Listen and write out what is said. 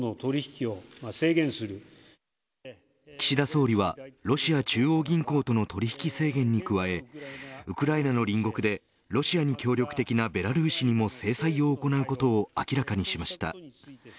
岸田総理はロシア中央銀行との取引制限に加えウクライナの隣国でロシアに協力的なベラルーシにも制裁を行うことを明らかにしました。